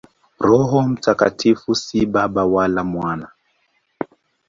Roho Mtakatifu si Baba wala Mwana.